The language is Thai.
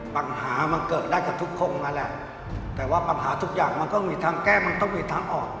ปัญหามันเกิดได้กับทุกคนนั่นแหละแต่ว่าปัญหาทุกอย่างมันก็มีทางแก้มันต้องมีทางออก